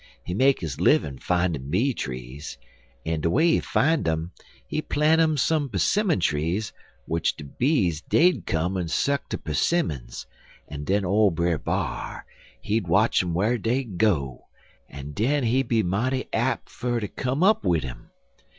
He make his livin' findin' bee trees, en de way he fine um he plant 'im some 'simmon trees, w'ich de bees dey'd come ter suck de 'simmons en den ole Brer B'ar he'd watch um whar dey'd go, en den he'd be mighty ap' fer ter come up wid um.